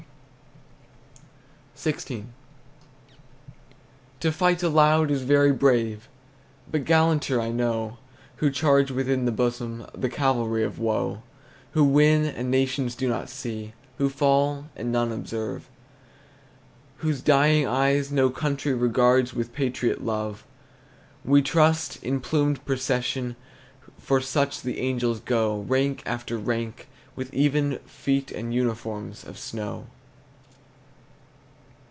XVI. To fight aloud is very brave, But gallanter, I know, Who charge within the bosom, The cavalry of woe. Who win, and nations do not see, Who fall, and none observe, Whose dying eyes no country Regards with patriot love. We trust, in plumed procession, For such the angels go, Rank after rank, with even feet And uniforms of snow.